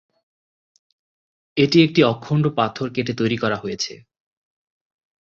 এটি একটি অখণ্ড পাথর কেটে তৈরি করা হয়েছে।